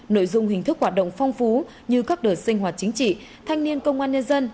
nội dung hình thức hoạt động phong phú như các đợt sinh hoạt chính trị thanh niên công an nhân dân